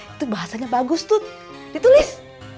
itu bahasanya bagus tuh ditulis